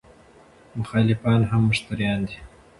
مخالفان هم مشتریان دي.